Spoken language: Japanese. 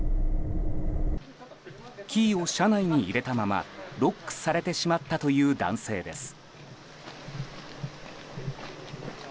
キーを車内に入れたままロックされてしまったという男性です。